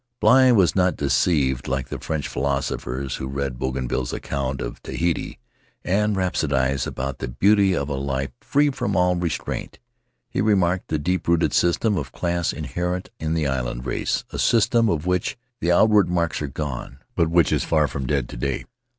Bligh was not deceived, like the French philosophers who read Bougainville's account of Tahiti, and rhapsodized about the beauty of a life free from all restraint; he remarked the deep rooted system of class inherent in the island race, a system of which the outward marks are gone, but which is far from dead to day.